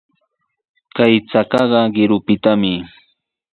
Chay chakaqa qirupitami.